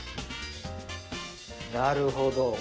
なるほど。